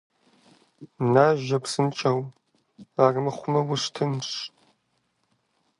Нажэ, псынщӀэу, армыхъумэ, ущтынщ.